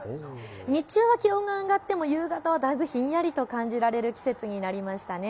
日中は気温が上がっても夕方はだいぶひんやりと感じられる季節になりましたね。